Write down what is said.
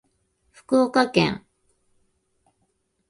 福岡県